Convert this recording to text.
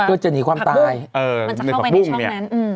เพื่อจะหนีความตายมันจะเข้าไปในช่องนั้น